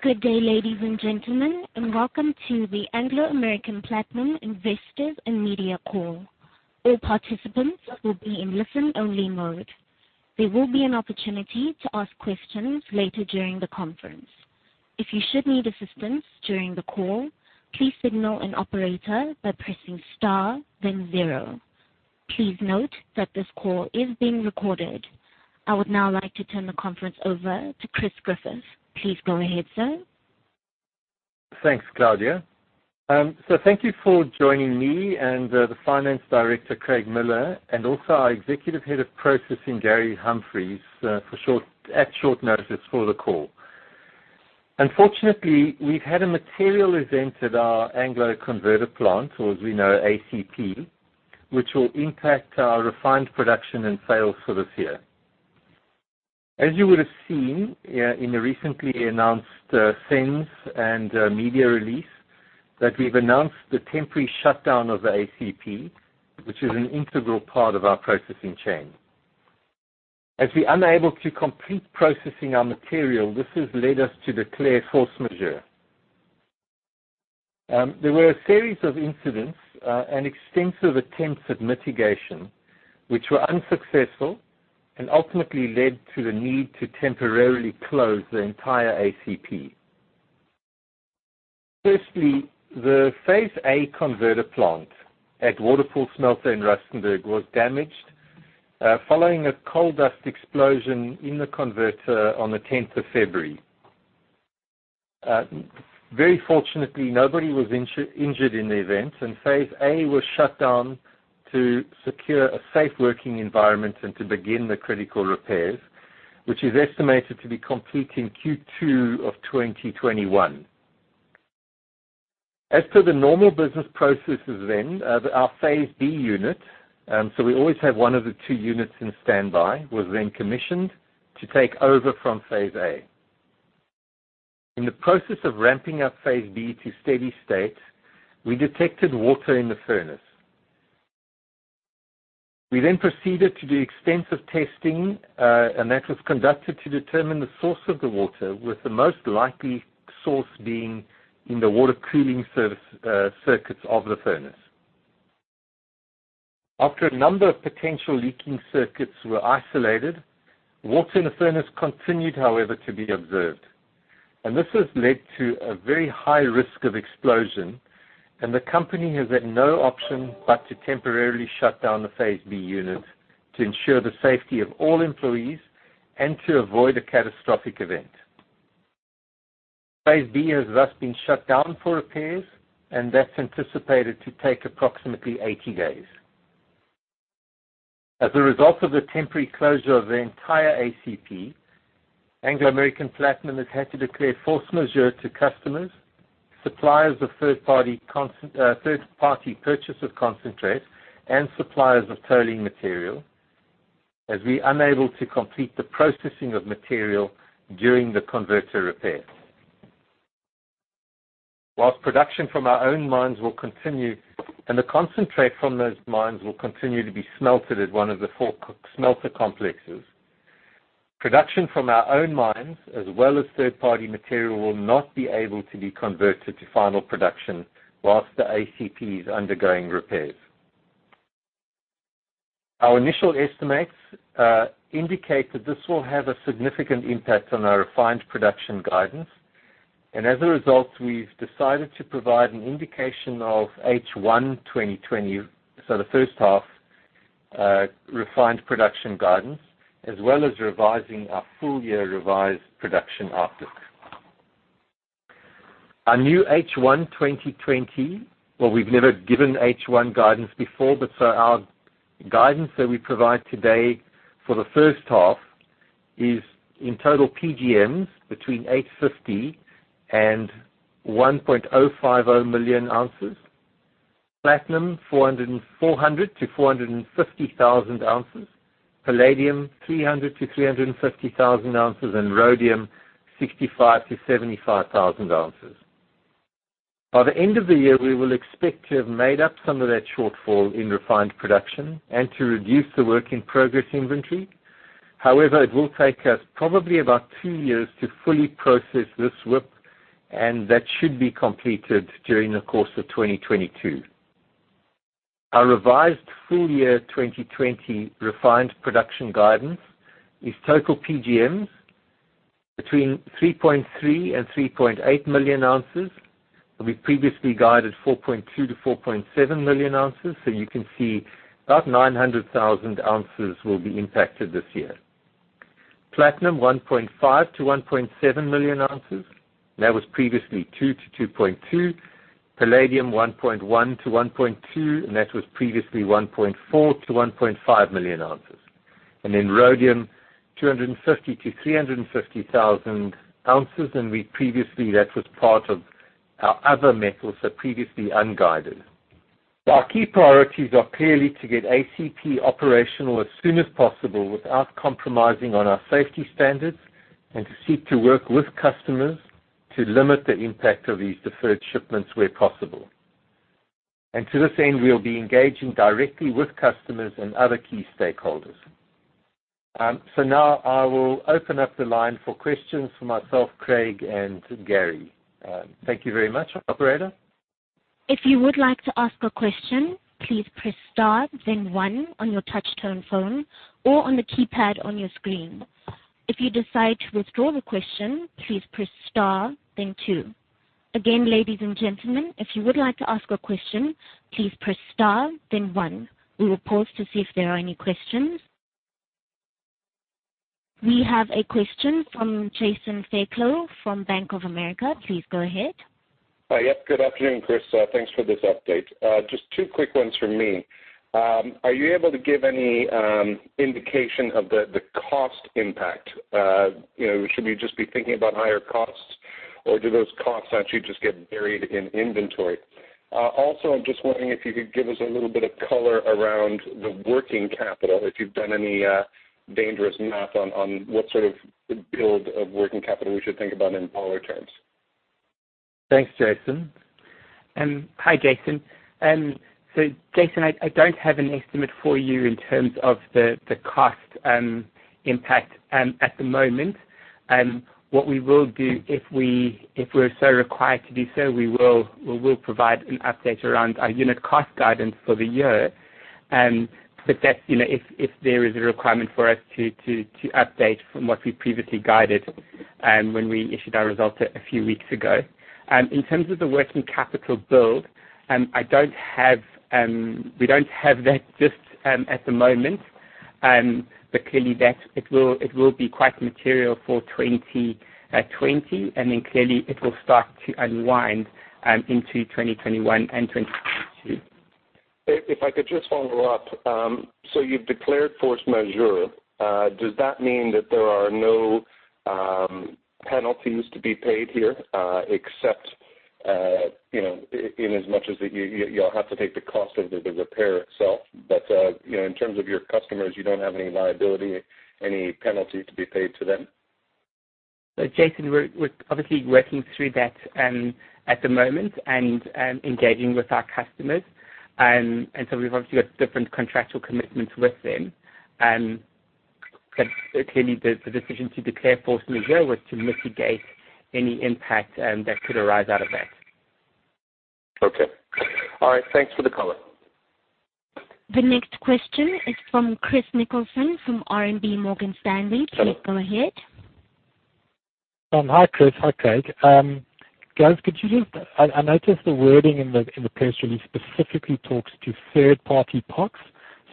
Good day, ladies and gentlemen, and welcome to the Anglo American Platinum Investors and Media Call. All participants will be in listen-only mode. There will be an opportunity to ask questions later during the conference. If you should need assistance during the call, please signal an operator by pressing star then zero. Please note that this call is being recorded. I would now like to turn the conference over to Chris Griffith. Please go ahead, sir. Thanks, Claudia. Thank you for joining me and the Finance Director, Craig Miller, and also our Executive Head of Processing, Gary Humphries, at short notice for the call. Unfortunately, we've had a material event at our Anglo Converter Plant, or as we know, ACP, which will impact our refined production and sales for this year. As you would have seen in the recently announced SENS and media release, that we've announced the temporary shutdown of the ACP, which is an integral part of our processing chain. As we're unable to complete processing our material, this has led us to declare force majeure. There were a series of incidents, and extensive attempts at miigation, which were unsuccessful and ultimately led to the need to temporarily close the entire ACP. The Phase A converter plant at Waterval Smelter in Rustenburg was damaged following a coal dust explosion in the converter on the 10th of February. Very fortunately, nobody was injured in the event, and Phase A was shut down to secure a safe working environment and to begin the critical repairs, which is estimated to be complete in Q2 of 2021. Our Phase B unit, so we always have one of the two units in standby, was then commissioned to take over from Phase A. In the process of ramping up Phase B to steady state, we detected water in the furnace. We proceeded to do extensive testing, and that was conducted to determine the source of the water, with the most likely source being in the water cooling circuits of the furnace. After a number of potential leaking circuits were isolated, water in the furnace continued, however, to be observed. This has led to a very high risk of explosion, and the company has had no option but to temporarily shut down the Phase B unit to ensure the safety of all employees and to avoid a catastrophic event. Phase B has thus been shut down for repairs, and that's anticipated to take approximately 80 days. As a result of the temporary closure of the entire ACP, Anglo American Platinum has had to declare force majeure to customers, suppliers of third-party purchase of concentrate, and suppliers of trailing material, as we're unable to complete the processing of material during the converter repairs. While production from our own mines will continue, and the concentrate from those mines will continue to be smelted at one of the four smelter complexes, production from our own mines, as well as third-party material, will not be able to be converted to final production while the ACP is undergoing repairs. Our initial estimates indicate that this will have a significant impact on our refined production guidance. As a result, we've decided to provide an indication of H1 2020, so the first half refined production guidance, as well as revising our full-year revised production outlook. Our new H1 2020, while we've never given H1 guidance before, our guidance that we provide today for the first half is in total PGMs between 850,000 oz and 1.050 million ounces, platinum 400,000 oz-450,000 oz, palladium 300,000 oz-350,000 oz, and rhodium 65,000 oz-75,000 oz. By the end of the year, we will expect to have made up some of that shortfall in refined production and to reduce the work in progress inventory. It will take us probably about two years to fully process this WIP, and that should be completed during the course of 2022. Our revised full-year 2020 refined production guidance is total PGMs 3.3 million ounces-3.8 million ounces. We previously guided 4.2 million ounces-4.7 million ounces, so you can see about 900,000 oz will be impacted this year. Platinum, 1.5 million ounces-1.7 million ounces. That was previously 2 million ounces-2.2 million ounces. Palladium, 1.1 million ounces-1.2 million ounces, and that was previously 1.4 million ounces-1.5 million ounces. Rhodium, 250,000 oz-350,000 oz, and we previously, that was part of our other metals, so previously unguided. Our key priorities are clearly to get ACP operational as soon as possible without compromising on our safety standards, to seek to work with customers to limit the impact of these deferred shipments where possible. To this end, we'll be engaging directly with customers and other key stakeholders. Now I will open up the line for questions for myself, Craig, and Gary. Thank you very much, operator. If you would like to ask a question, please press star, then one on your touch-tone phone or on the keypad on your screen. If you decide to withdraw the question, please press star, then two. Again, ladies and gentlemen, if you would like to ask a question, please press star, then one. We will pause to see if there are any questions. We have a question from Jason Fairclough from Bank of America. Please go ahead. Hi. Yep. Good afternoon, Chris. Thanks for this update. Just two quick ones from me. Are you able to give any indication of the cost impact? Should we just be thinking about higher costs, or do those costs actually just get buried in inventory? Also, I'm just wondering if you could give us a little bit of color around the working capital, if you've done any dangerous math on what sort of build of working capital we should think about in dollar terms. Thanks, Jason. Hi, Jason. Jason, I don't have an estimate for you in terms of the cost impact at the moment. What we will do if we're so required to do so, we will provide an update around our unit cost guidance for the year. That's if there is a requirement for us to update from what we previously guided when we issued our results a few weeks ago. In terms of the working capital build, we don't have that just at the moment. Clearly, it will be quite material for 2020, and then clearly it will start to unwind into 2021 and 2022. If I could just follow up. You've declared force majeure. Does that mean that there are no penalties to be paid here except inasmuch as you'll have to take the cost of the repair itself, but in terms of your customers, you don't have any liability, any penalty to be paid to them? Jason, we're obviously working through that at the moment and engaging with our customers. We've obviously got different contractual commitments with them. Clearly, the decision to declare force majeure was to mitigate any impact that could arise out of that. Okay. All right. Thanks for the color. The next question is from Chris Nicholson from RMB Morgan Stanley. Hello. Please go ahead. Hi, Chris. Hi, Craig. Guys, I noticed the wording in the press release specifically talks to third-party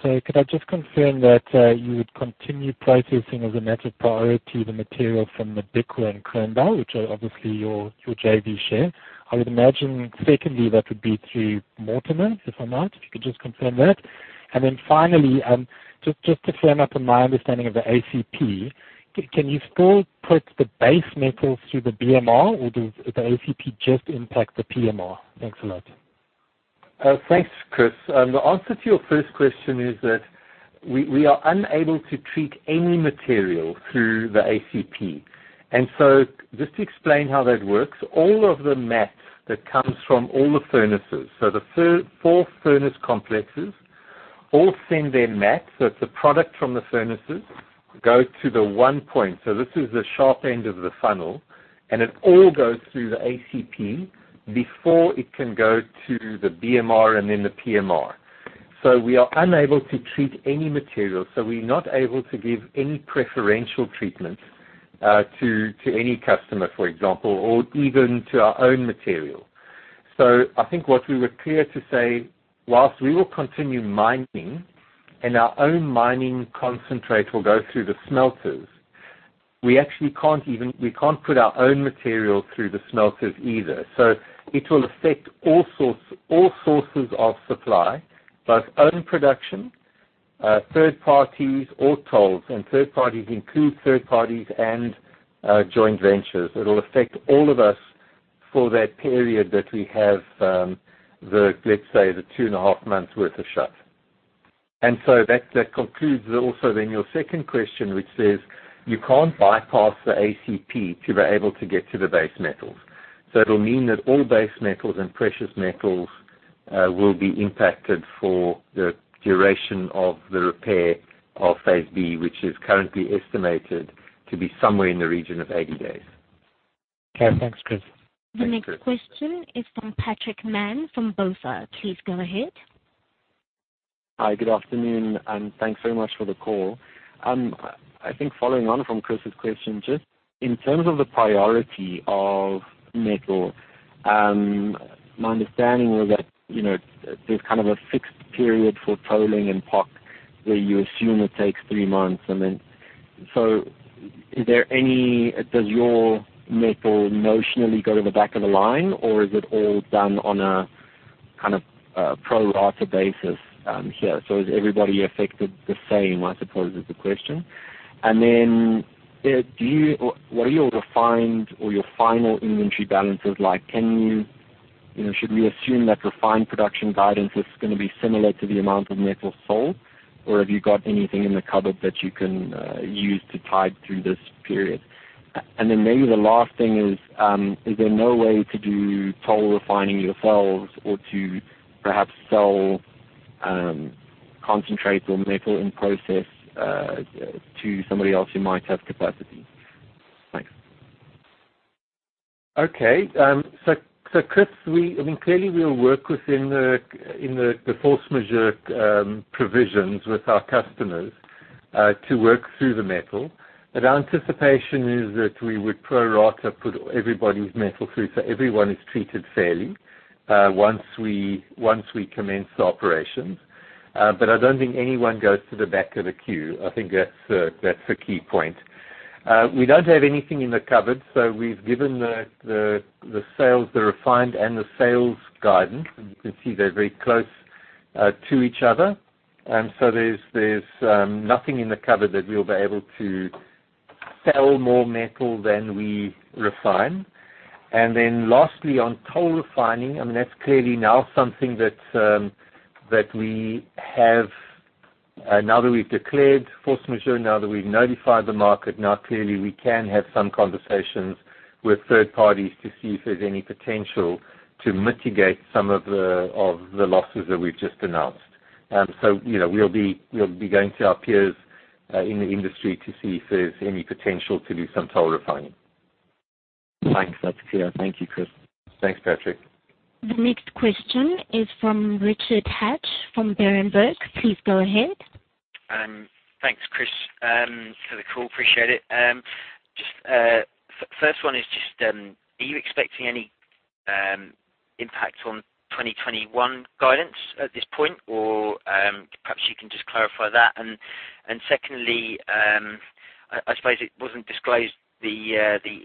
PoCs. Could I just confirm that you would continue processing as a matter of priority the material from the Biko and Kroondal, which are obviously your JV share? I would imagine, secondly, that would be through Mortimer, if I might. If you could just confirm that. Finally, just to firm up on my understanding of the ACP, can you still put the base metals through the BMR or the ACP just impacts the PMR? Thanks a lot. Thanks, Chris. The answer to your first question is that we are unable to treat any material through the ACP. Just to explain how that works, all of the mats that comes from all the furnaces. The four furnace complexes all send their mats. It's the product from the furnaces go to the one point. This is the sharp end of the funnel, and it all goes through the ACP before it can go to the BMR and then the PMR. We are unable to treat any material. We're not able to give any preferential treatment to any customer, for example, or even to our own material. I think what we were clear to say, whilst we will continue mining and our own mining concentrate will go through the smelters, we can't put our own material through the smelters either. It will affect all sources of supply, both own production, third parties, or tolls. Third parties include third parties and joint ventures. It'll affect all of us for that period that we have, let's say, the 2.5 months worth of shut. That concludes also then your second question, which says you can't bypass the ACP to be able to get to the base metals. It'll mean that all base metals and precious metals will be impacted for the duration of the repair of Phase B, which is currently estimated to be somewhere in the region of 80 days. Okay. Thanks, Chris. Thanks, Chris. The next question is from Patrick Mann from BofA. Please go ahead. Hi. Good afternoon, and thanks very much for the call. I think following on from Chris's question, just in terms of the priority of metal, my understanding was that there's kind of a fixed period for tolling and PoC where you assume it takes three months. Does your metal notionally go to the back of the line, or is it all done on a kind of pro rata basis here? Is everybody affected the same, I suppose is the question. What are your refined or your final inventory balances like? Should we assume that refined production guidance is going to be similar to the amount of metal sold, or have you got anything in the cupboard that you can use to tide through this period? Maybe the last thing is there no way to do toll refining yourselves or to perhaps sell concentrates or metal in-process to somebody else who might have capacity? Thanks. Okay. Patrick, clearly we'll work within the force majeure provisions with our customers to work through the metal. Our anticipation is that we would pro rata put everybody's metal through so everyone is treated fairly once we commence operations. I don't think anyone goes to the back of the queue. I think that's the key point. We don't have anything in the cupboard, so we've given the refined and the sales guidance. You can see they're very close to each other. There's nothing in the cupboard that we'll be able to sell more metal than we refine. Lastly, on toll refining, that's clearly now something that now that we've declared force majeure, now that we've notified the market, now clearly we can have some conversations with third parties to see if there's any potential to mitigate some of the losses that we've just announced. We'll be going to our peers in the industry to see if there's any potential to do some toll refining. Thanks. That's clear. Thank you, Chris. Thanks, Patrick. The next question is from Richard Hatch from Berenberg. Please go ahead. Thanks, Chris, for the call. Appreciate it. First one is just, are you expecting any impact on 2021 guidance at this point, or perhaps you can just clarify that? Secondly, I suppose it wasn't disclosed, the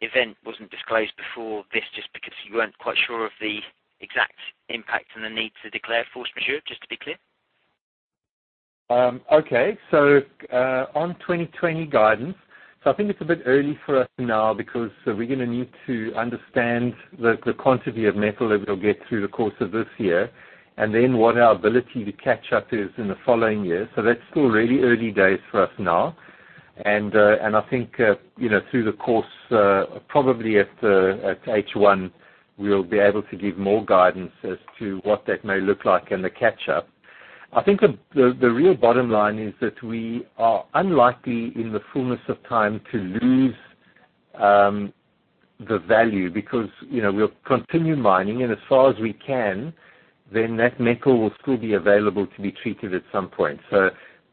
event wasn't disclosed before this, just because you weren't quite sure of the exact impact and the need to declare force majeure, just to be clear? On 2020 guidance. I think it's a bit early for us now because we're going to need to understand the quantity of metal that we'll get through the course of this year, and then what our ability to catch up is in the following year. That's still really early days for us now. I think, through the course, probably at H1, we'll be able to give more guidance as to what that may look like and the catch-up. I think the real bottom line is that we are unlikely in the fullness of time to lose the value because we'll continue mining and as far as we can, then that metal will still be available to be treated at some point.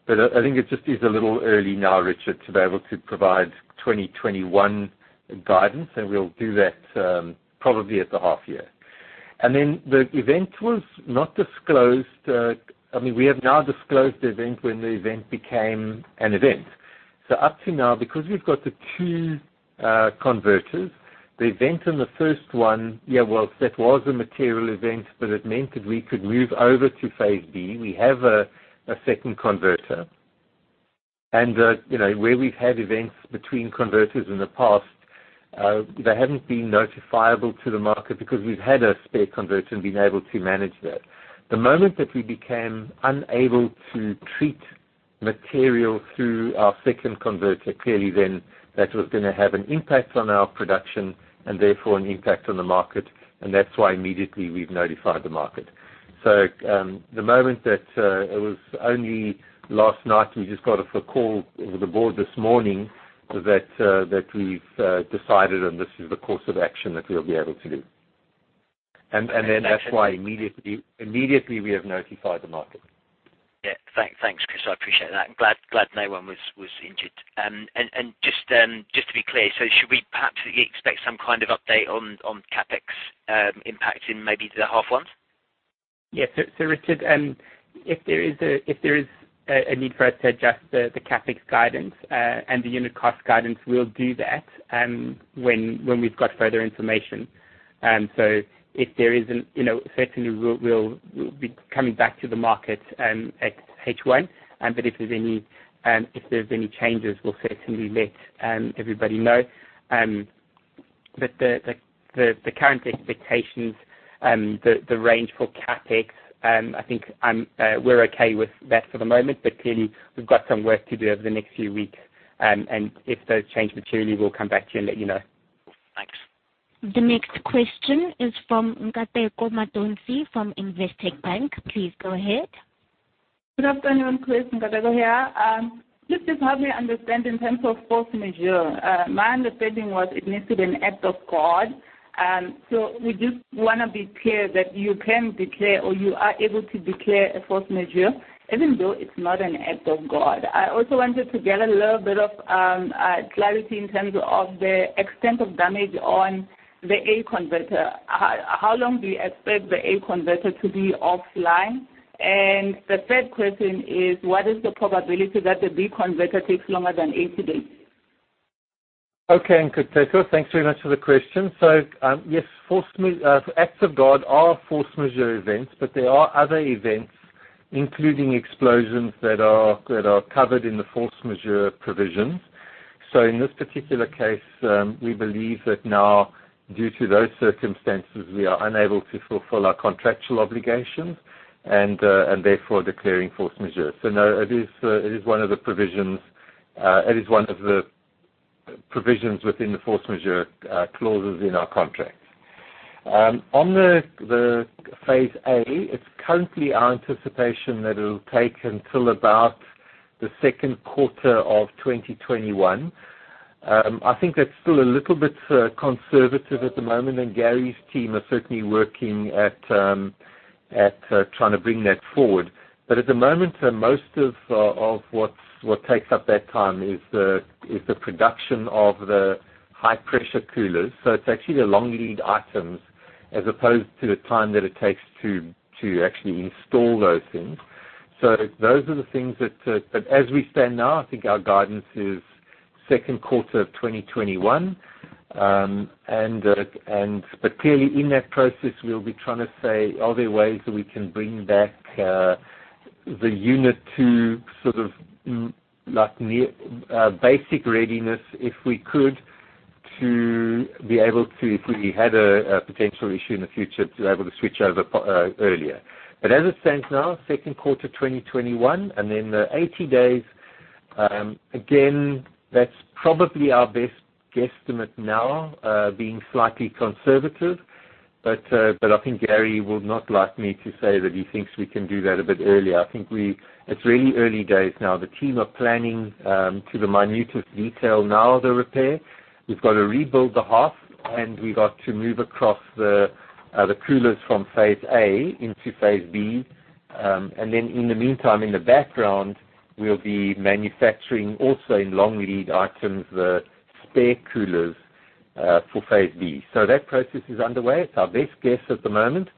I think it just is a little early now, Richard, to be able to provide 2021 guidance. We'll do that probably at the half year. The event was not disclosed. We have now disclosed the event when the event became an event. Up to now, because we've got the two converters, the event in the first one, yeah, well, that was a material event, but it meant that we could move over to Phase B. We have a second converter. Where we've had events between converters in the past, they haven't been notifiable to the market because we've had a spare converter and been able to manage that. The moment that we became unable to treat material through our second converter, clearly then, that was going to have an impact on our production and therefore an impact on the market, and that's why immediately we've notified the market. The moment that it was only last night, we just got off a call with the board this morning that we've decided, and this is the course of action that we'll be able to do. That's why immediately we have notified the market. Yeah. Thanks, Chris. I appreciate that. I'm glad no one was injured. Just to be clear, should we perhaps expect some kind of update on CapEx impact in maybe the half one? Richard, if there is a need for us to adjust the CapEx guidance and the unit cost guidance, we'll do that when we've got further information. If there isn't, certainly we'll be coming back to the market at H1. If there's any changes, we'll certainly let everybody know. The current expectations, the range for CapEx, I think we're okay with that for the moment, but clearly we've got some work to do over the next few weeks. If those change materially, we'll come back to you and let you know. Thanks. The next question is from Nkateko Mathonsi from Investec Bank. Please go ahead. Good afternoon, Chris. Nkateko here. Just to help me understand in terms of force majeure. My understanding was it needs to be an act of God. We just want to be clear that you can declare or you are able to declare a force majeure even though it's not an act of God. I also wanted to get a little bit of clarity in terms of the extent of damage on the A converter. How long do you expect the A converter to be offline? The third question is, what is the probability that the B converter takes longer than 80 days? Okay, Nkateko. Thanks very much for the question. Yes, acts of God are force majeure events, but there are other events, including explosions, that are covered in the force majeure provisions. In this particular case, we believe that now, due to those circumstances, we are unable to fulfill our contractual obligations and therefore declaring force majeure. No, it is one of the provisions within the force majeure clauses in our contract. On the Phase A, it's currently our anticipation that it'll take until about the second quarter of 2021. I think that's still a little bit conservative at the moment, and Gary's team are certainly working at trying to bring that forward. At the moment, most of what takes up that time is the production of the high-pressure coolers. It's actually the long lead items as opposed to the time that it takes to actually install those things. Those are the things that, as we stand now, I think our guidance is second quarter of 2021. Clearly in that process, we'll be trying to say, are there ways that we can bring back the unit to sort of basic readiness, if we could, to be able to, if we had a potential issue in the future, to able to switch over earlier. As it stands now, second quarter 2021, and then the 80 days, again, that's probably our best guesstimate now, being slightly conservative. I think Gary would not like me to say that he thinks we can do that a bit earlier. I think it's really early days now. The team are planning to the minutest detail now the repair. We've got to rebuild the hearth, and we've got to move across the coolers from Phase A into Phase B. In the meantime, in the background, we'll be manufacturing also in long lead items, the spare coolers for Phase B. That process is underway. It's our best guess at the moment,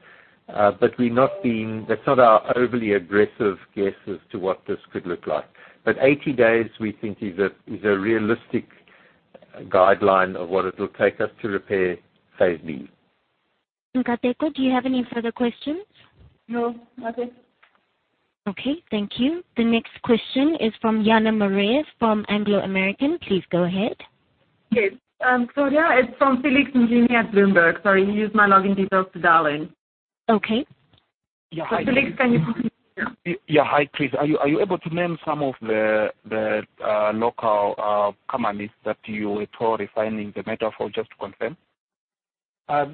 but that's not our overly aggressive guess as to what this could look like. 80 days, we think is a realistic guideline of what it will take us to repair Phase B. Nkateko, do you have any further questions? No, nothing. Okay, thank you. The next question is from Jana Marais, from Anglo American. Please go ahead. Yes. Sorry, it's from Felix Njini at Bloomberg. Sorry, he used my login details to dial in. Okay. Felix, can you continue? Yeah. Hi, please. Are you able to name some of the local companies that you were refining the metal for, just to confirm?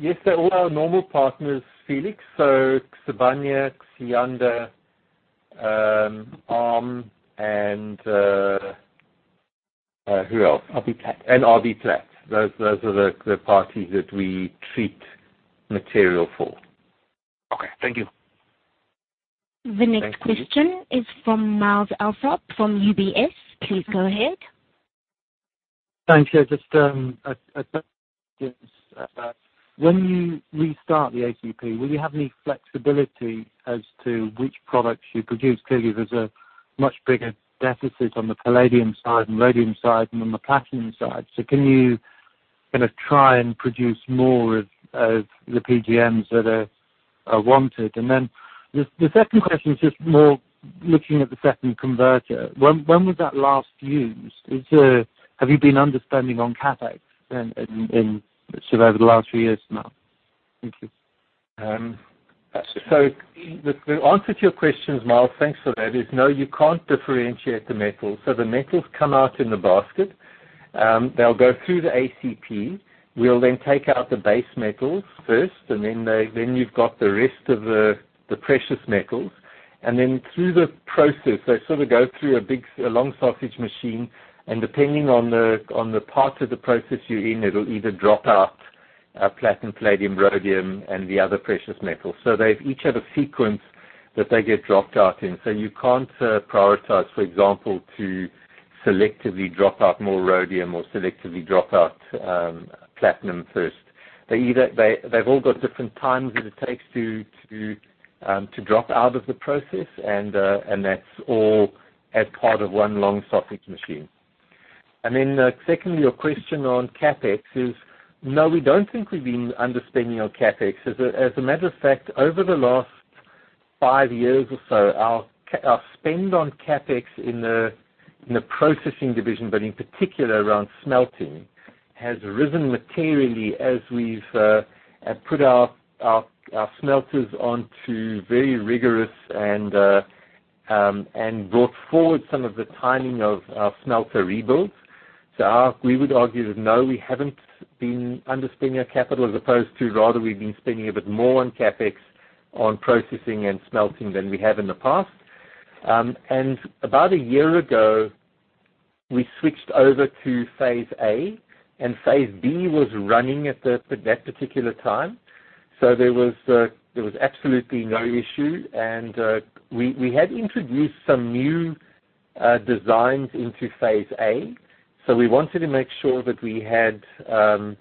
Yes, they're all our normal partners, Felix. Sibanye, Siyanda, ARM, and who else? RBPlat. RBPlat, those are the parties that we treat material for. Okay. Thank you. The next question- Thanks, Felix. is from Myles Allsop from UBS. Please go ahead. Thanks. Yeah, just a quick question about when you restart the ACP, will you have any flexibility as to which products you produce? Clearly, there's a much bigger deficit on the palladium side and rhodium side than on the platinum side. Can you kind of try and produce more of the PGMs that are wanted? The second question is just more looking at the second converter. When was that last used? Have you been underspending on CapEx in sort of over the last three years now? Thank you. The answer to your questions, Myles, thanks for that, is no, you can't differentiate the metals. The metals come out in the basket. They'll go through the ACP. We'll then take out the base metals first, and then you've got the rest of the precious metals. Through the process, they sort of go through a long sausage machine, and depending on the part of the process you're in, it'll either drop out platinum, palladium, rhodium, and the other precious metals. They each have a sequence that they get dropped out in. You can't prioritize, for example, to selectively drop out more rhodium or selectively drop out platinum first. They've all got different times that it takes to drop out of the process, and that's all as part of one long sausage machine. Secondly, your question on CapEx is, no, we don't think we've been underspending on CapEx. As a matter of fact, over the last five years or so, our spend on CapEx in the processing division, but in particular around smelting, has risen materially as we've put our smelters onto very rigorous and brought forward some of the timing of our smelter rebuilds. We would argue that, no, we haven't been underspending our capital as opposed to rather, we've been spending a bit more on CapEx on processing and smelting than we have in the past. About a year ago, we switched over to Phase A, and Phase B was running at that particular time. There was absolutely no issue, and we had introduced some new designs into Phase A. We wanted to make sure that we had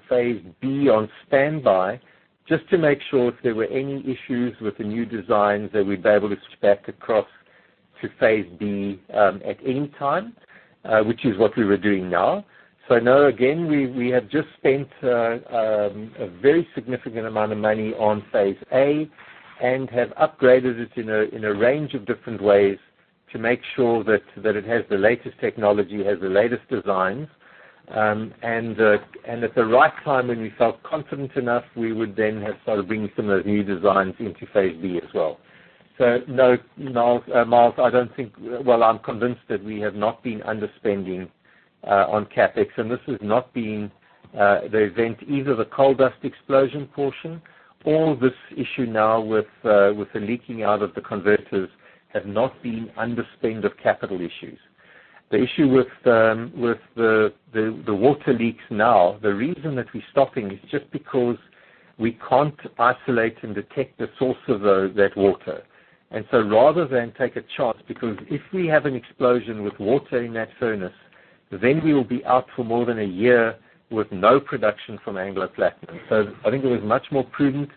Phase B on standby just to make sure if there were any issues with the new designs, that we'd be able to switch back across to Phase B at any time, which is what we were doing now. Now, again, we have just spent a very significant amount of money on Phase A and have upgraded it in a range of different ways to make sure that it has the latest technology, has the latest designs. At the right time, when we felt confident enough, we would then have started bringing some of those new designs into Phase B as well. No, Myles, I'm convinced that we have not been underspending on CapEx, and this has not been the event, either the coal dust explosion portion or this issue now with the leaking out of the converters have not been underspend of capital issues. The issue with the water leaks now, the reason that we're stopping is just because we can't isolate and detect the source of that water. Rather than take a chance, because if we have an explosion with water in that furnace, then we will be out for more than a year with no production from Anglo Platinum. I think it was much more prudent,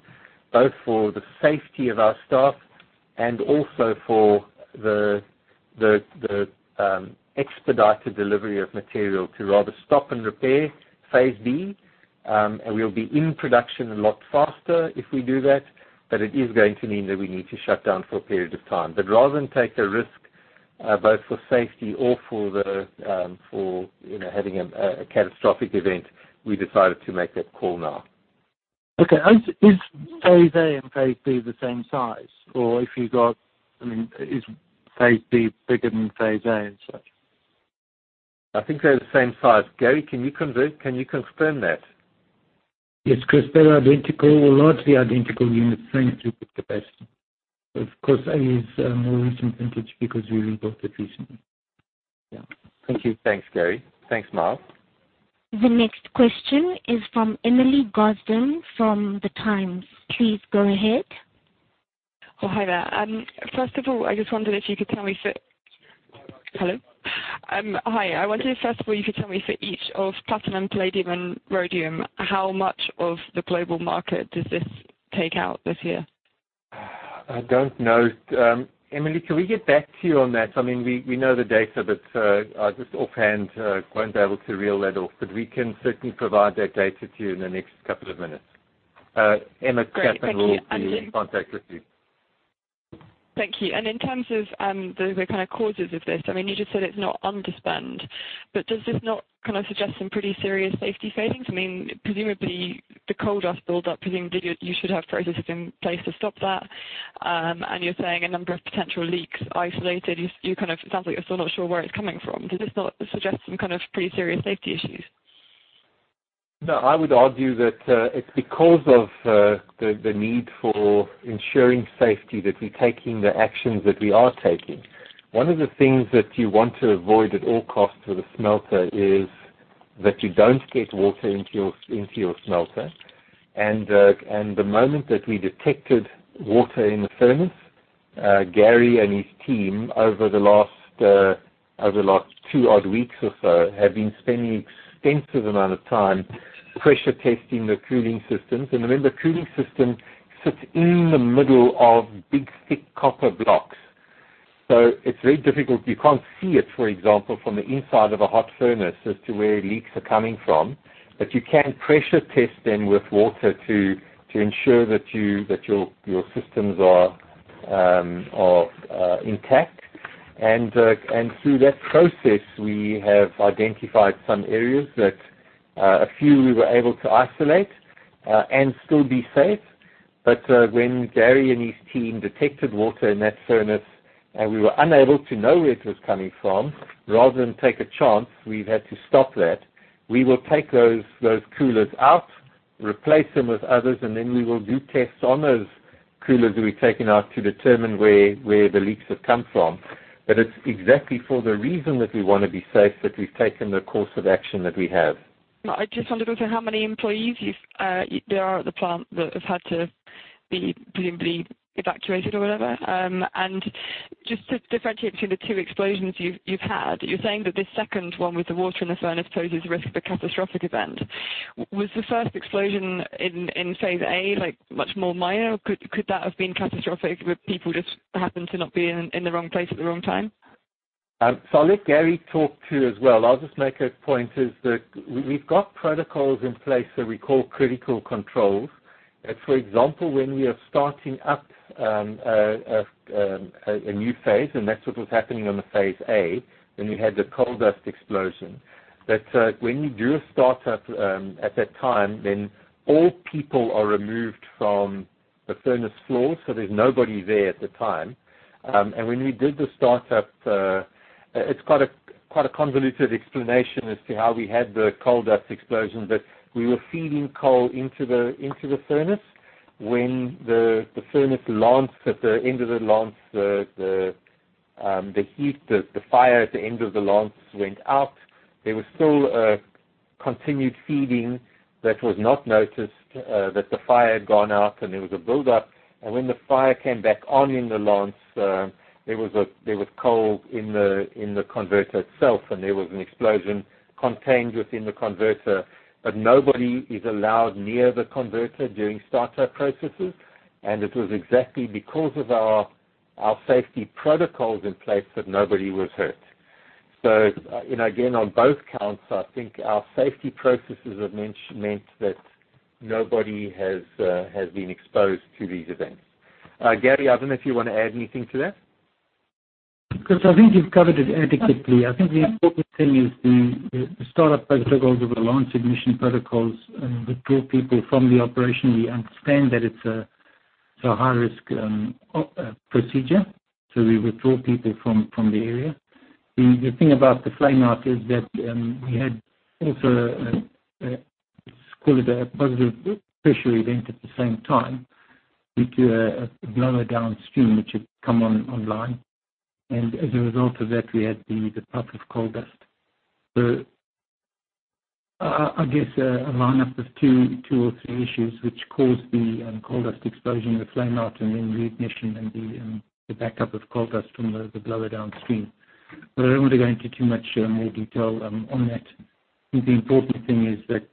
both for the safety of our staff and also for the expedited delivery of material to rather stop and repair Phase B, and we'll be in production a lot faster if we do that. It is going to mean that we need to shut down for a period of time. Rather than take a risk, both for safety or for having a catastrophic event, we decided to make that call now. Okay. Is Phase A and Phase B the same size? Is Phase B bigger than Phase A and such? I think they're the same size. Gary, can you confirm that? Yes, Chris, they're identical or largely identical in the planned throughput capacity. Of course, A is more recent vintage because we rebuilt it recently. Yeah. Thank you. Thanks, Gary. Thanks, Myles. The next question is from Emily Gosden from The Times. Please go ahead. Oh, hi there. Hello? Hi. I wondered if, first of all, you could tell me for each of platinum, palladium, and rhodium, how much of the global market does this take out this year? I don't know. Emily, can we get back to you on that? We know the data, but I just offhand won't be able to reel that off, but we can certainly provide that data to you in the next couple of minutes. Great. Thank you. [inaudible] in contact with you. Thank you. In terms of the kind of causes of this, you just said it's not underspend, but does this not suggest some pretty serious safety failings? Presumably the coal dust build-up, presumably you should have processes in place to stop that. You're saying a number of potential leaks isolated. It sounds like you're still not sure where it's coming from. Does this not suggest some kind of pretty serious safety issues? No, I would argue that it's because of the need for ensuring safety that we're taking the actions that we are taking. One of the things that you want to avoid at all costs with a smelter is that you don't get water into your smelter. The moment that we detected water in the furnace, Gary and his team, over the last two odd weeks or so, have been spending extensive amount of time pressure testing the cooling systems. Remember, the cooling system sits in the middle of big, thick copper blocks. It's very difficult. You can't see it, for example, from the inside of a hot furnace as to where leaks are coming from. You can pressure test then with water to ensure that your systems are intact. Through that process, we have identified some areas that a few we were able to isolate and still be safe. When Gary and his team detected water in that furnace, and we were unable to know where it was coming from, rather than take a chance, we've had to stop that. We will take those coolers out, replace them with others, and then we will do tests on those coolers that we've taken out to determine where the leaks have come from. It's exactly for the reason that we want to be safe, that we've taken the course of action that we have. No, I just wondered also, how many employees there are at the plant that have had to be presumably evacuated or whatever? Just to differentiate between the two explosions you've had, you're saying that this second one with the water in the furnace poses a risk of a catastrophic event. Was the first explosion in Phase A much more minor? Could that have been catastrophic, where people just happened to not be in the wrong place at the wrong time? I'll let Gary talk to you as well. I'll just make a point is that we've got protocols in place that we call critical controls. For example, when we are starting up a new phase, that's what was happening on the Phase A, when we had the coal dust explosion, when you do a start-up at that time, all people are removed from the furnace floor, there's nobody there at the time. When we did the start-up, it's quite a convoluted explanation as to how we had the coal dust explosion, we were feeding coal into the furnace. When the furnace lance, at the end of the lance, the heat, the fire at the end of the lance went out. There was still a continued feeding that was not noticed, that the fire had gone out, there was a build-up. When the fire came back on in the lance, there was coal in the converter itself, and there was an explosion contained within the converter. Nobody is allowed near the converter during start-up processes. It was exactly because of our safety protocols in place that nobody was hurt. Again, on both counts, I think our safety processes have meant that nobody has been exposed to these events. Gary, I don't know if you want to add anything to that. Chris, I think you've covered it adequately. I think the important thing is the start-up protocols or the lance ignition protocols that draw people from the operation. We understand that it's a high-risk procedure, so we withdraw people from the area. The thing about the flameout is that we had also a, let's call it a positive pressure event at the same time due to a blower downstream which had come online. As a result of that, we had the puff of coal dust. I guess a line-up of two or three issues which caused the coal dust explosion, the flameout, and then the ignition and the backup of coal dust from the blower downstream. I don't want to go into too much more detail on that. I think the important thing is that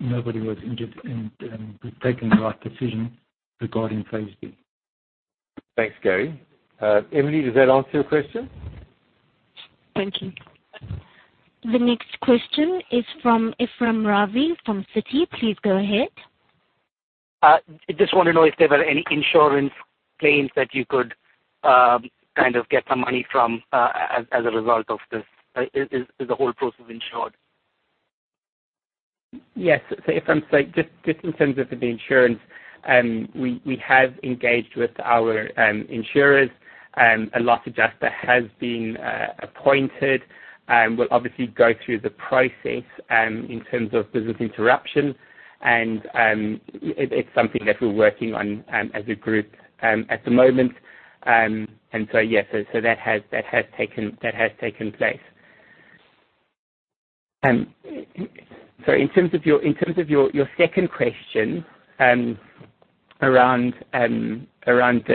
nobody was injured, and we've taken the right decision regarding Phase B. Thanks, Gary. Emily, does that answer your question? Thank you. The next question is from Ephrem Ravi from Citi. Please go ahead. I just want to know if there were any insurance claims that you could get some money from as a result of this. Is the whole process insured? Yes. Ephrem, just in terms of the insurance, we have engaged with our insurers. A loss adjuster has been appointed. We'll obviously go through the process in terms of business interruption, and it's something that we're working on as a group at the moment. Yes, that has taken place. In terms of your second question around the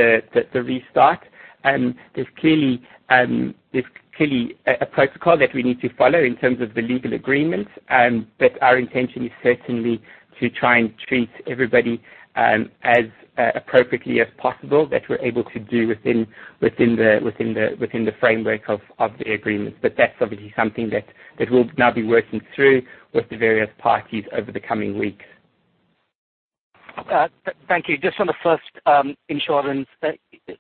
restart, there's clearly a protocol that we need to follow in terms of the legal agreements. Our intention is certainly to try and treat everybody as appropriately as possible that we're able to do within the framework of the agreements. That's obviously something that we'll now be working through with the various parties over the coming weeks. Thank you. Just on the first insurance,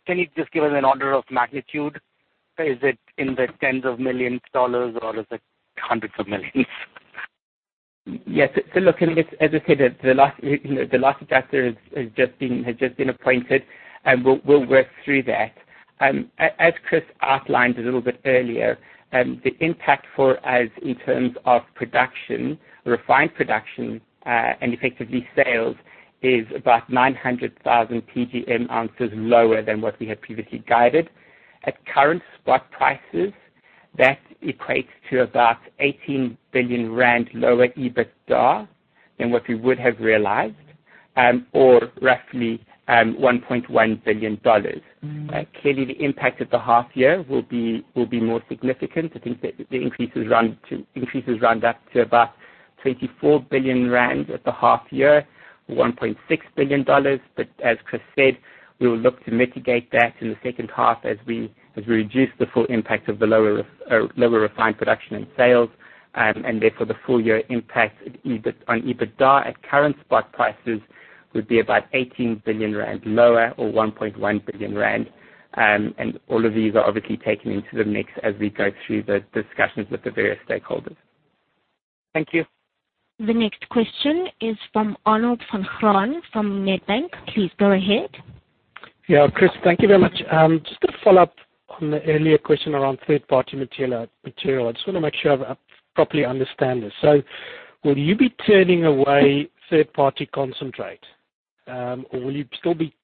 can you just give us an order of magnitude? Is it in the tens of millions dollars or is it hundreds of millions? Yes. As I said, the loss adjuster has just been appointed, and we'll work through that. As Chris outlined a little bit earlier, the impact for us in terms of production, refined production, and effectively sales is about 900,000 PGM ounces lower than what we had previously guided. At current spot prices, that equates to about 18 billion rand lower EBITDA than what we would have realized, or roughly $1.1 billion. Clearly, the impact at the half year will be more significant. I think the increases round up to about 34 billion rand at the half year, $1.6 billion. As Chris said, we will look to mitigate that in the second half as we reduce the full impact of the lower refined production and sales, therefore the full-year impact on EBITDA at current spot prices would be about 18 billion rand lower or 1.1 billion rand. All of these are obviously taken into the mix as we go through the discussions with the various stakeholders. Thank you. The next question is from Arnold van Graan from Nedbank. Please go ahead. Yeah. Chris, thank you very much. Just a follow-up on the earlier question around third-party material. I just want to make sure I properly understand this. Will you be turning away third-party concentrate? Will you still be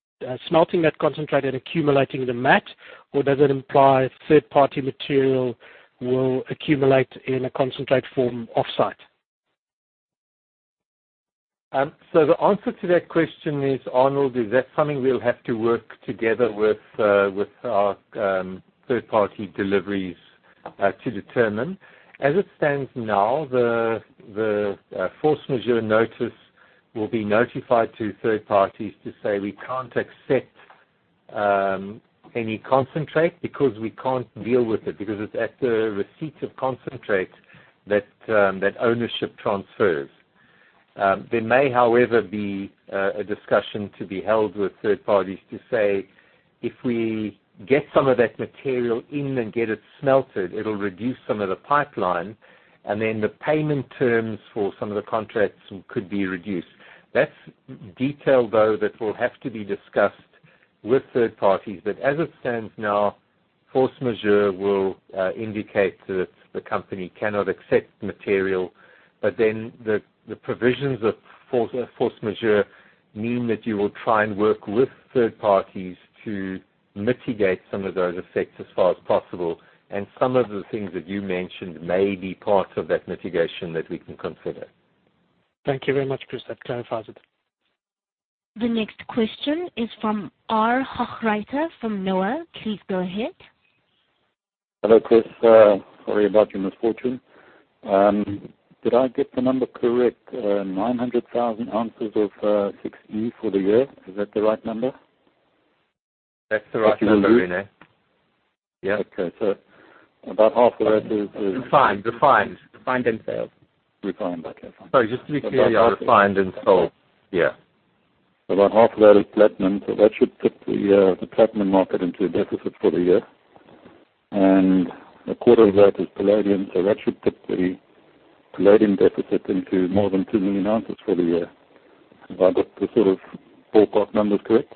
smelting that concentrate and accumulating the matte? Does it imply third-party material will accumulate in a concentrate form offsite? The answer to that question is, Arnold, is that's something we'll have to work together with our third-party deliveries to determine. As it stands now, the force majeure notice will be notified to third parties to say we can't accept any concentrate because we can't deal with it because it's at the receipt of concentrate that ownership transfers. There may, however, be a discussion to be held with third parties to say if we get some of that material in and get it smelted, it'll reduce some of the pipeline, and then the payment terms for some of the contracts could be reduced. That's detail, though, that will have to be discussed with third parties. As it stands now, force majeure will indicate that the company cannot accept material. The provisions of force majeure mean that you will try and work with third parties to mitigate some of those effects as far as possible. Some of the things that you mentioned may be part of that mitigation that we can consider. Thank you very much, Chris. That clarifies it. The next question is from R. Hochreiter from NOAH. Please go ahead. Hello, Chris. Sorry about your misfortune. Did I get the number correct? 900,000 oz of 6E for the year. Is that the right number? That's the right number, René. Okay. about half of that. Refined. Refined and sales. Refined. Okay, fine. Just to be clear, refined and sold, yeah. About half of that is platinum, so that should put the platinum market into a deficit for the year. 1/4 of that is palladium, so that should put the palladium deficit into more than 2 million ounces for the year. Have I got the sort of ballpark numbers correct?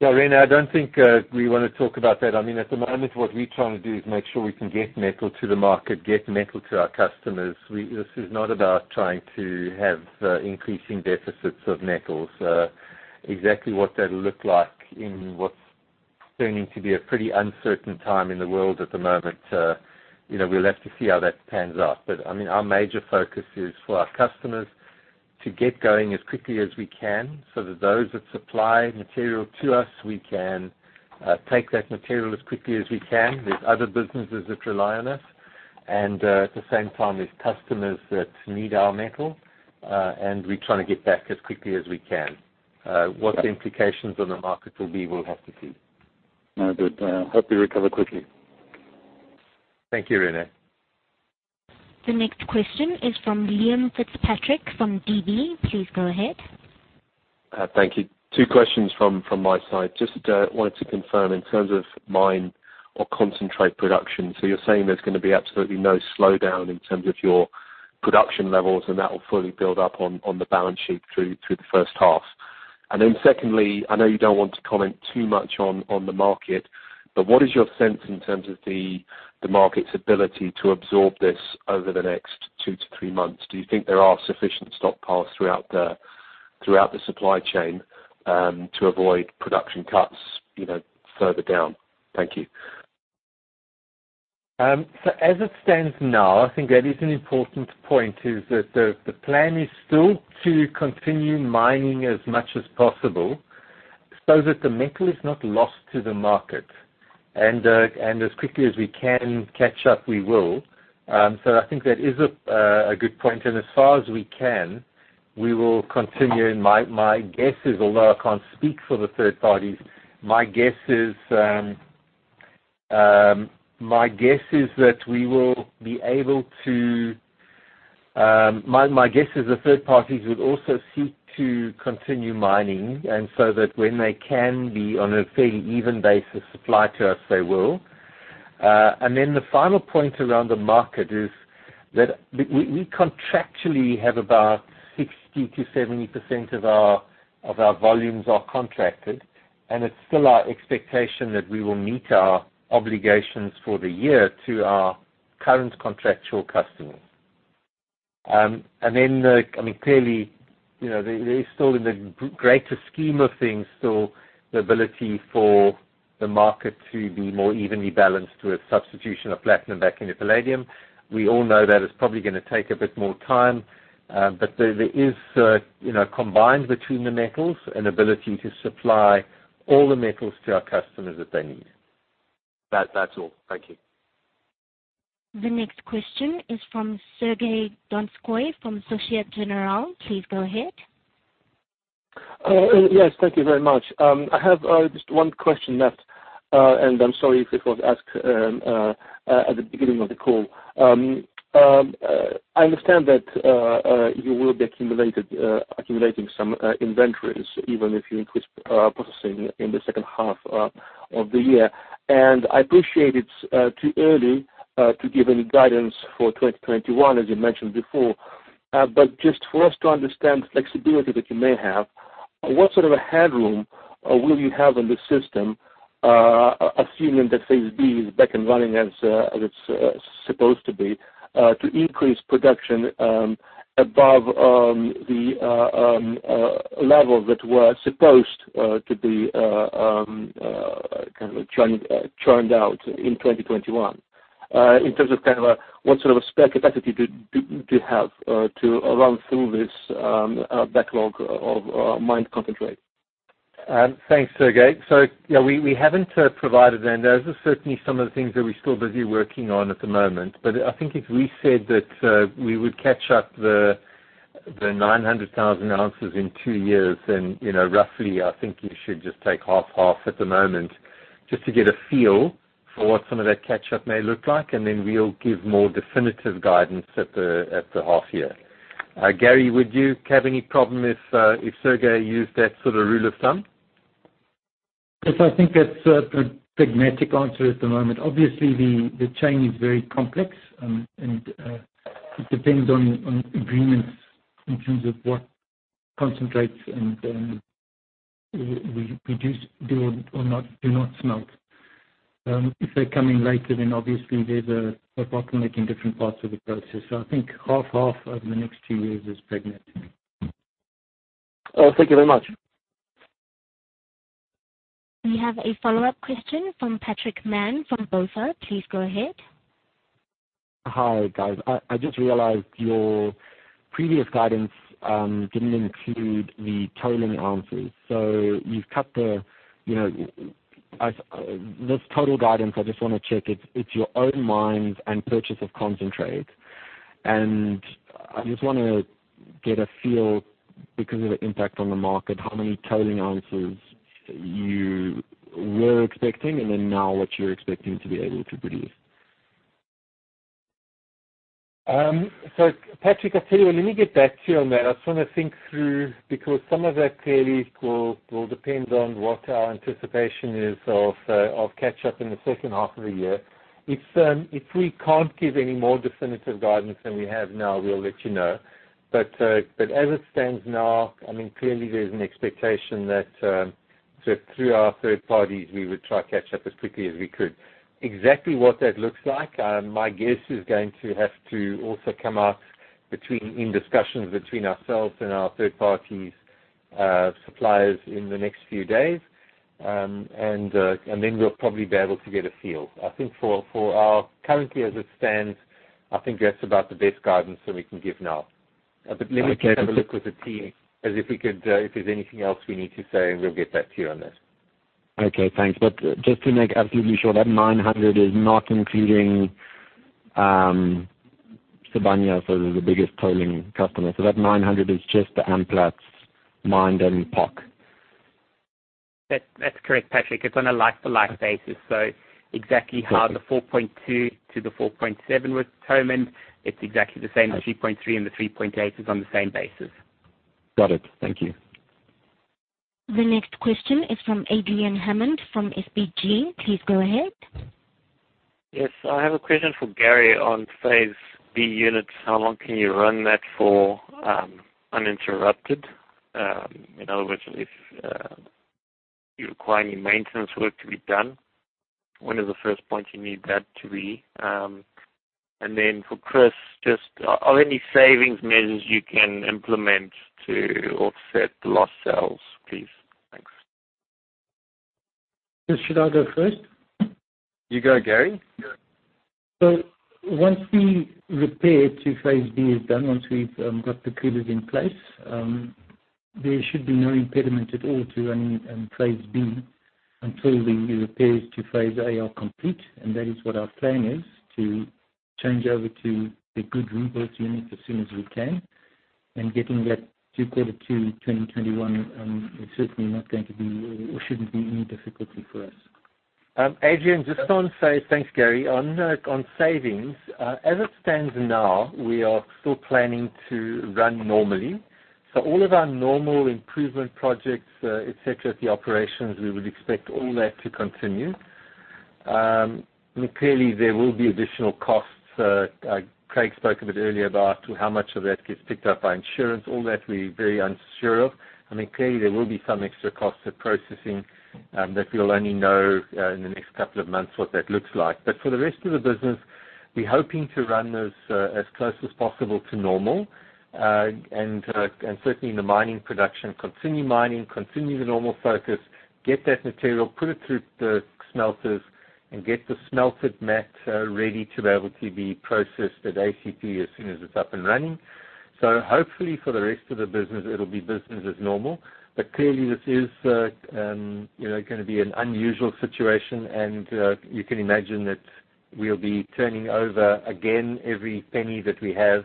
Yeah, René, I don't think we want to talk about that. At the moment, what we're trying to do is make sure we can get metal to the market, get metal to our customers. This is not about trying to have increasing deficits of metals. Exactly what that'll look like in what's turning to be a pretty uncertain time in the world at the moment, we'll have to see how that pans out. Our major focus is for our customers to get going as quickly as we can, so that those that supply material to us, we can take that material as quickly as we can. There's other businesses that rely on us, and at the same time, there's customers that need our metal, and we're trying to get back as quickly as we can. What the implications on the market will be, we'll have to see. No, good. Hope you recover quickly. Thank you, René. The next question is from Liam Fitzpatrick from DB. Please go ahead. Thank you. Two questions from my side. Just wanted to confirm in terms of mine or concentrate production, so you're saying there's going to be absolutely no slowdown in terms of your production levels, and that will fully build up on the balance sheet through the first half? Secondly, I know you don't want to comment too much on the market, but what is your sense in terms of the market's ability to absorb this over the next two to three months? Do you think there are sufficient stockpiles throughout the supply chain to avoid production cuts further down? Thank you. As it stands now, I think that is an important point, is that the plan is still to continue mining as much as possible so that the metal is not lost to the market. As quickly as we can catch up, we will. I think that is a good point. As far as we can, we will continue. My guess is, although I can't speak for the third parties, the third parties would also seek to continue mining, and so that when they can be on a fairly even basis supply to us, they will. The final point around the market is that we contractually have about 60%-70% of our volumes are contracted. It's still our expectation that we will meet our obligations for the year to our current contractual customers. Clearly, there is still, in the greater scheme of things, still the ability for the market to be more evenly balanced with substitution of platinum back into palladium. We all know that is probably going to take a bit more time. There is, combined between the metals, an ability to supply all the metals to our customers that they need. That's all. Thank you. The next question is from Sergey Donskoy from Societe Generale. Please go ahead. Yes, thank you very much. I have just one question left, and I am sorry if it was asked at the beginning of the call. I understand that you will be accumulating some inventories, even if you increase processing in the second half of the year. I appreciate it is too early to give any guidance for 2021, as you mentioned before. Just for us to understand the flexibility that you may have, what sort of a headroom will you have in the system, assuming that Phase B is back and running as it is supposed to be, to increase production above the levels that were supposed to be churned out in 2021, in terms of what sort of spare capacity do you have to run through this backlog of mined concentrate? Thanks, Sergey. We haven't provided then. Those are certainly some of the things that we're still busy working on at the moment. I think if we said that we would catch up the 900,000 oz in two years, then roughly, I think you should just take 50/50 at the moment just to get a feel for what some of that catch-up may look like, and then we'll give more definitive guidance at the half year. Gary, would you have any problem if Sergey used that sort of rule of thumb? Yes, I think that's a pragmatic answer at the moment. Obviously, the chain is very complex, and it depends on agreements in terms of what concentrates and we produce or do not smelt. If they're coming later, then obviously they're bottlenecking different parts of the process. I think half/half over the next two years is pragmatic. Thank you very much. We have a follow-up question from Patrick Mann from BofA. Please go ahead. Hi, guys. I just realized your previous guidance didn't include the tolling ounces. You've cut this total guidance. I just want to check, it's your own mines and purchase of concentrate. I just want to get a feel, because of the impact on the market, how many tolling ounces you were expecting, and then now what you're expecting to be able to produce. Patrick, I'll tell you what, let me get back to you on that. I just want to think through, because some of that clearly will depend on what our anticipation is of catch-up in the second half of the year. If we can't give any more definitive guidance than we have now, we'll let you know. As it stands now, clearly there's an expectation that through our third parties, we would try to catch up as quickly as we could. Exactly what that looks like, my guess is going to have to also come out in discussions between ourselves and our third parties, suppliers in the next few days. Then we'll probably be able to get a feel. Currently, as it stands, I think that's about the best guidance that we can give now. Okay. Let me just have a look with the team as if there's anything else we need to say, and we'll get back to you on that. Okay, thanks. Just to make absolutely sure, that 900,000 oz is not including Sibanye-Stillwater as the biggest tolling customer. That 900,000 oz is just the Amplats mined and PoC. That's correct, Patrick. It's on a like-to-like basis. Okay. The 4.2 million ounces to the 4.7 million ounces was toll and mined, it's exactly the same. The 3.3 million ounces and the 3.8 million ounces is on the same basis. Got it. Thank you. The next question is from Adrian Hammond from SBG. Please go ahead. Yes. I have a question for Gary on Phase B units. How long can you run that for uninterrupted? In other words, if you require any maintenance work to be done, when is the first point you need that to be? For Chris, just are there any savings measures you can implement to offset the lost sales, please? Thanks. Chris, should I go first? You go, Gary. Once the repair to Phase B is done, once we've got the coolers in place, there should be no impediment at all to running Phase B until the repairs to Phase A are complete. That is what our plan is, to change over to the good rebuilt unit as soon as we can, and getting that to quarter two 2021, it certainly not going to be or shouldn't be any difficulty for us. Adrian, just on Phase. Thanks, Gary. On savings, as it stands now, we are still planning to run normally. All of our normal improvement projects, et cetera, at the operations, we would expect all that to continue. Clearly, there will be additional costs. Craig spoke a bit earlier about how much of that gets picked up by insurance. All that we're very unsure of. Clearly, there will be some extra costs of processing that we'll only know in the next couple of months what that looks like. For the rest of the business, we're hoping to run those as close as possible to normal. Certainly in the mining production, continue mining, continue the normal focus, get that material, put it through the smelters, and get the smelted metal ready to be able to be processed at ACP as soon as it's up and running. Hopefully for the rest of the business, it'll be business as normal. Clearly this is going to be an unusual situation, and you can imagine that we'll be turning over again every penny that we have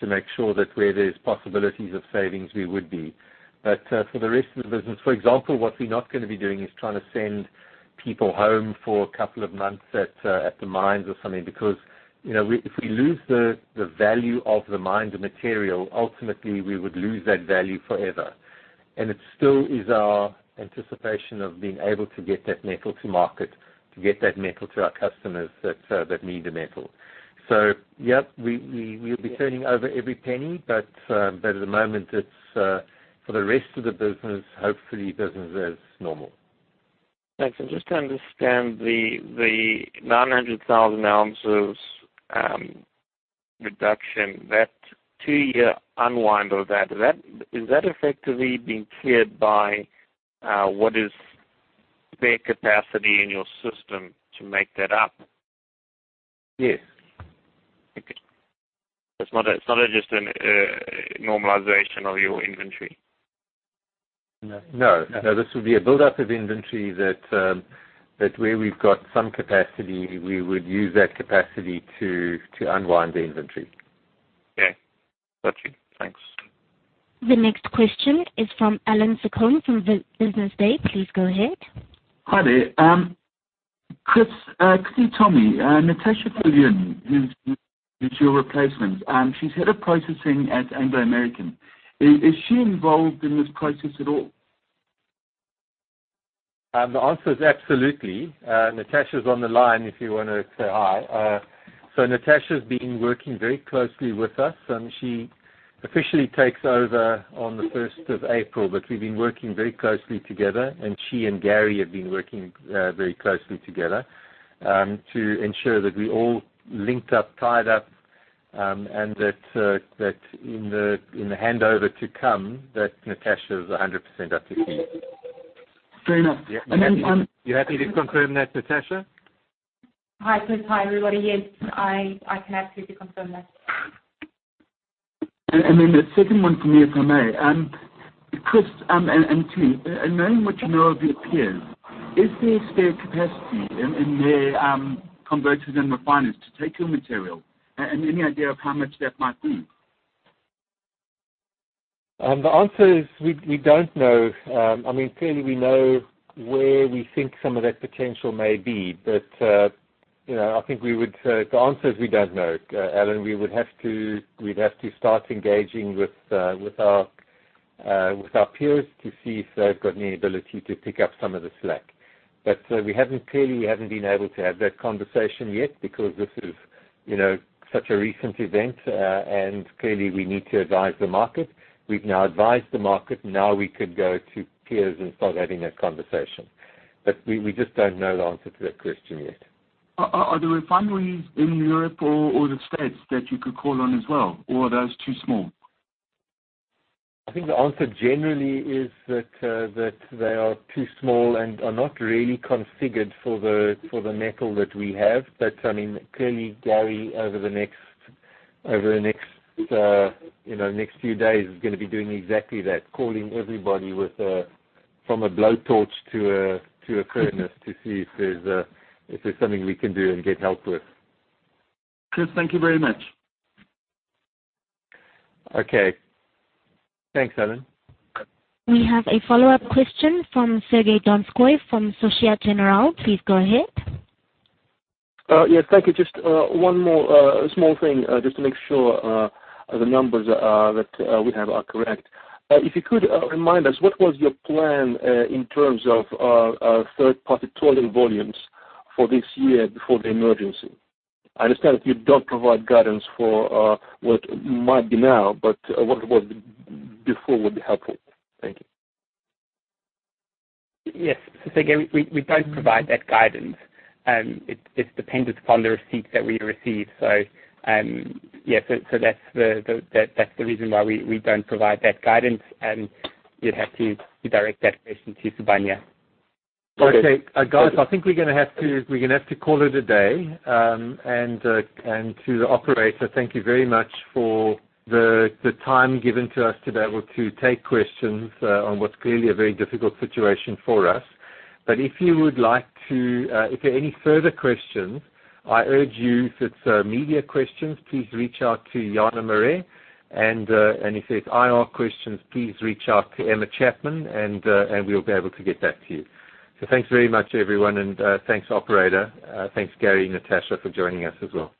to make sure that where there's possibilities of savings, we would be. For the rest of the business, for example, what we're not going to be doing is trying to send people home for a couple of months at the mines or something, because if we lose the value of the mined material, ultimately, we would lose that value forever. It still is our anticipation of being able to get that metal to market, to get that metal to our customers that need the metal. Yeah, we'll be turning over every penny, but at the moment, for the rest of the business, hopefully business as normal. Thanks. Just to understand the 900,000 oz reduction, that two-year unwind of that, is that effectively being cleared by what is spare capacity in your system to make that up? Yes. Okay. It's not just a normalization of your inventory? No. Okay. This will be a build-up of inventory that where we've got some capacity, we would use that capacity to unwind the inventory. Okay. Got you. Thanks. The next question is from Alan Seccombe from Business Day. Please go ahead. Hi there. Chris, can you tell me, Natascha Viljoen, who's your replacement, she's Head of Processing at Anglo American. Is she involved in this process at all? The answer is absolutely. Natascha is on the line if you want to say hi. Natascha has been working very closely with us, and she officially takes over on the 1st of April. We've been working very closely together, and she and Gary have been working very closely together, to ensure that we're all linked up, tied up, and that in the handover to come, that Natascha is 100% up to speed. Fair enough. You happy to confirm that, Natascha? Hi, Chris. Hi, everybody. Yes, I can absolutely confirm that. The second one from me, if I may. Chris, knowing what you know of your peers, is there spare capacity in their converters and refiners to take your material? Any idea of how much that might be? The answer is we don't know. Clearly, we know where we think some of that potential may be, but I think the answer is we don't know, Alan. We'd have to start engaging with our peers to see if they've got any ability to pick up some of the slack. Clearly we haven't been able to have that conversation yet because this is such a recent event, and clearly we need to advise the market. We've now advised the market. Now we could go to peers and start having that conversation. We just don't know the answer to that question yet. Are there refineries in Europe or the States that you could call on as well, or are those too small? I think the answer generally is that they are too small and are not really configured for the metal that we have. Clearly, Gary, over the next few days, is going to be doing exactly that, calling everybody with from a blowtorch to a furnace to see if there's something we can do and get help with. Chris, thank you very much. Okay. Thanks, Alan. We have a follow-up question from Sergey Donskoy from Societe Generale. Please go ahead. Yes, thank you. Just one more small thing, just to make sure the numbers that we have are correct. If you could remind us, what was your plan in terms of third-party tolling volumes for this year before the emergency? I understand that you don't provide guidance for what might be now, but what it was before would be helpful. Thank you. Yes. Again, we don't provide that guidance. It's dependent upon the receipts that we receive. That's the reason why we don't provide that guidance, and you'd have to direct that question to Sibanye-Stillwater. Okay. Guys, I think we're going to have to call it a day. To the operator, thank you very much for the time given to us to be able to take questions on what's clearly a very difficult situation for us. If there are any further questions, I urge you, if it's media questions, please reach out to Jana Marais, and if there's IR questions, please reach out to Emma Chapman and we'll be able to get back to you. Thanks very much, everyone, and thanks, operator. Thanks, Gary and Natascha, for joining us as well.